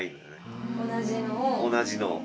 同じのを。